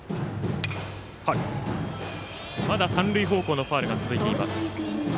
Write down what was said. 三塁方向のファウルが続いています。